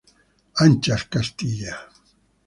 ¡Ancha es Castilla!